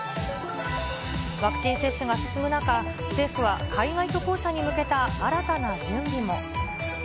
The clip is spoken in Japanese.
ワクチン接種が進む中、政府は海外渡航者に向けた新たな準備も。